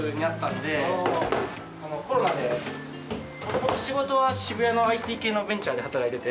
もともと仕事は渋谷のＩＴ系のベンチャーで働いてて。